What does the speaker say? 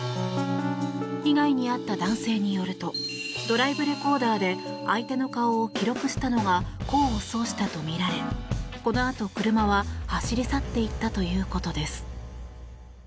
被害に遭った男性によるとドライブレコーダーで相手の顔を記録したのが功を奏したとみられこのあと車は走り去っていったということです。